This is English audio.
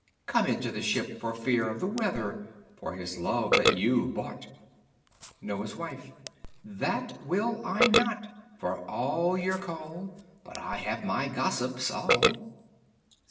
Come into the shippe for feare of the weither, For his love that you boughte! Noye's Wiffe That will not I, for all youer call, But I have my gossippes all.